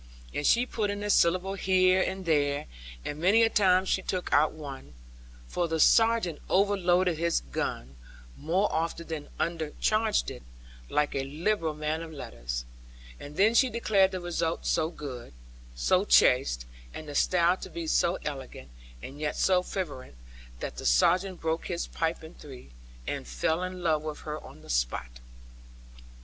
And she put in a syllable here and there, and many a time she took out one (for the Sergeant overloaded his gun, more often than undercharged it; like a liberal man of letters), and then she declared the result so good, so chaste, and the style to be so elegant, and yet so fervent, that the Sergeant broke his pipe in three, and fell in love with her on the spot.